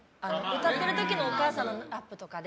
歌ってる時のお母さんのアップとかで。